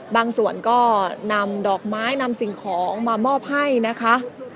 บางส่วนก็นำดอกไม้นำสิ่งของมามอบให้นะคะ